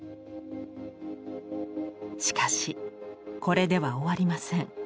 しかしこれでは終わりません。